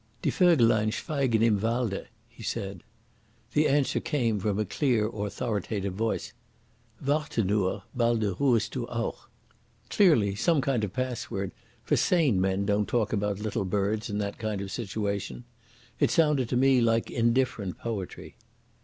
"Die Vögelein schweigen im Walde," he said. The answer came from a clear, authoritative voice. "Warte nur, balde ruhest du auch." Clearly some kind of password, for sane men don't talk about little birds in that kind of situation. It sounded to me like indifferent poetry.